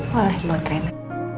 boleh buat rena